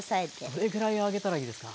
どれぐらい揚げたらいいですか？